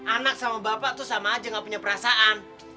anak sama bapak tuh sama aja gak punya perasaan